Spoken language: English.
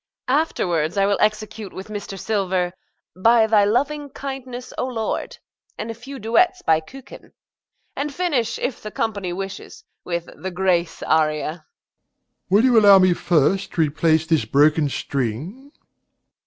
Afterwards I will execute with Mr. Silver, "By thy loving kindness, O Lord," and a few duets by Kücken, and finish, if the company wishes, with the "Grâce" aria. DOMINIE. Will you allow me first to replace this broken string?